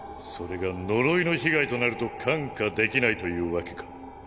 それが呪いの被害となると看過できないというわけか？